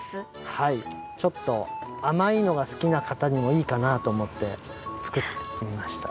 はいちょっとあまいのがすきなかたにもいいかなとおもって作ってみました。